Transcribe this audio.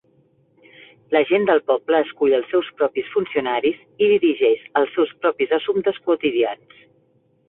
La gent del poble escull els seus propis funcionaris i dirigeix els seus propis assumptes quotidians.